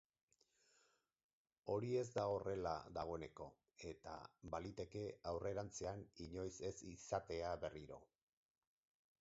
Hori ez da horrela dagoeneko, eta baliteke aurrerantzean inoiz ez izatea berriro.